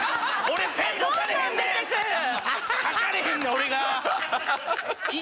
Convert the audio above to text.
俺が！